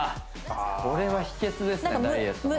これは秘けつですね